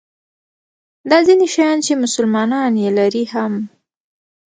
دا ځیني شیان چې مسلمانان یې لري هم.